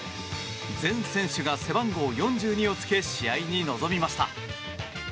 全選手が背番号４２をつけ試合に臨みました。